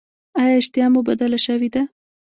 ایا اشتها مو بدله شوې ده؟